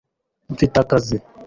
mfite akazi